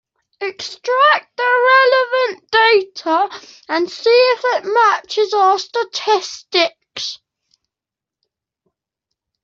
Extract the relevant data and see if it matches our statistics.